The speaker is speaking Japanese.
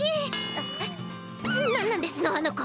あぁ何なんですのあの子？